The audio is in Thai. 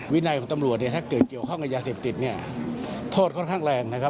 วินัยของตำรวจเนี่ยถ้าเกิดเกี่ยวข้องกับยาเสพติดเนี่ยโทษค่อนข้างแรงนะครับ